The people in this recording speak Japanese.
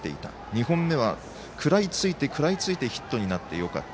２本目は、食らいついて食らいついてヒットになってよかった。